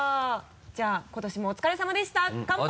じゃあ今年もお疲れさまでした乾杯！